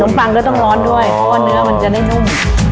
ปังก็ต้องร้อนด้วยเพราะว่าเนื้อมันจะได้นุ่ม